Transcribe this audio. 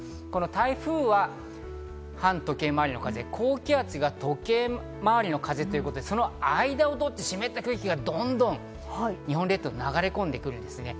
台風は反時計回りの風、高気圧が時計回りの風ということで、その間を通って、湿った空気がどんどん日本列島に流れ込んでくるんですね。